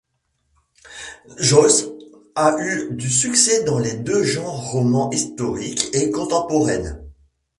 Joyce a eu du succès dans les deux genres romans historiques et contemporaines.